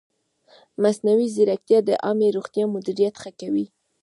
مصنوعي ځیرکتیا د عامې روغتیا مدیریت ښه کوي.